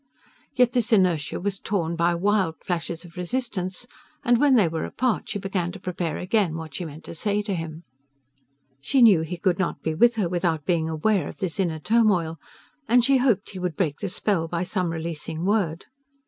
Yet this inertia was torn by wild flashes of resistance, and when they were apart she began to prepare again what she meant to say to him. She knew he could not be with her without being aware of this inner turmoil, and she hoped he would break the spell by some releasing word.